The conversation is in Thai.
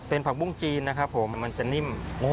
เป็นผักบุ้งจีนนะครับผมมันจะนิ่ม